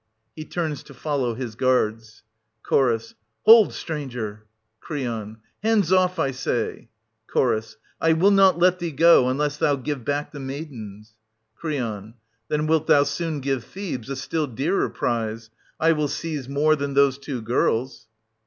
\_He turns to follow his guards. Ch. Hold, stranger ! Cr. Hands off, I say ! Ch. I will not let thee go, unless thou ^w^ back the maidens. Cr. Then wilt thou soon give Thebes a still dearer prize :— I will seize more than those two girls.